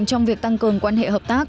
trong việc tăng cường quan hệ hợp tác